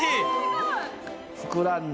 ふくらんで。